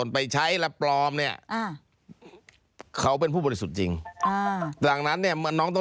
ไปให้ฆ่ากอง